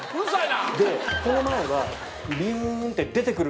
この前はビュン！って出て来る